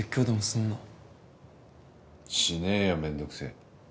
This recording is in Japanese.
しねぇよめんどくせぇ。